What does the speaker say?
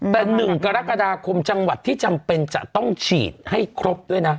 แต่๑กรกฎาคมจังหวัดที่จำเป็นจะต้องฉีดให้ครบด้วยนะ